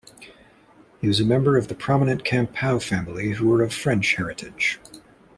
He was a member of the prominent Campau family who were of French heritage.